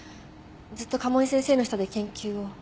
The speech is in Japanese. ずっと賀茂井先生の下で研究を。